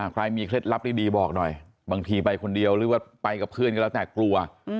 ใครมีเคล็ดลับดีบอกหน่อยบางทีไปคนเดียวหรือว่าไปกับเพื่อนก็แล้วแต่กลัว